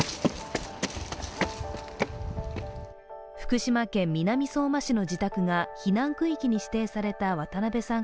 福島県南相馬市の自宅が避難区域に指定された渡部さん